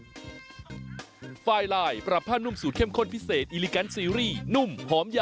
สวัสดีครับข้าวใส่ไข่สดใหม่ให้เยอะ